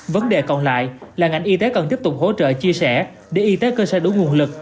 vấn đề còn lại là ngành y tế cần tiếp tục hỗ trợ chia sẻ để y tế cơ sở đủ nguồn lực